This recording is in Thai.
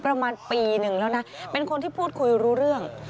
ประมาณปีหนึ่งแล้วนะเป็นคนที่พูดคุยรู้เรื่อง